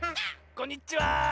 こんにちは！